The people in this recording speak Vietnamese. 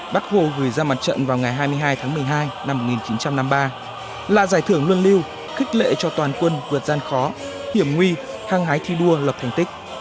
bác hồ gửi ra mặt trận vào ngày hai mươi hai tháng một mươi hai năm một nghìn chín trăm năm mươi ba là giải thưởng luân lưu khích lệ cho toàn quân vượt gian khó hiểm nguy hăng hái thi đua lập thành tích